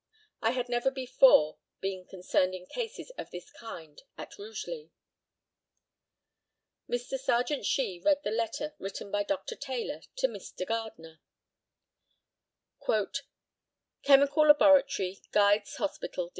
I had never before been concerned in cases of this kind at Rugeley. Mr. Serjeant SHEE read the letter written by Dr. Taylor to Mr. Gardner: "Chemical Laboratory, Guy's Hospital, Dec.